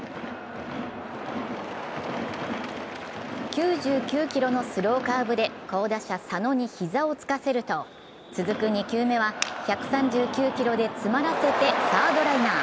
９９キロのスローカーブで巧打者・佐野に膝をつかせると続く２球目は１３９キロで詰まらせてサードライナー。